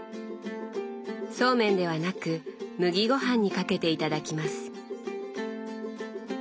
そうめんではなく麦ごはんにかけていただきます。